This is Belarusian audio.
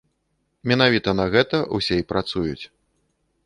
Менавіта на гэта ўсе і працуюць.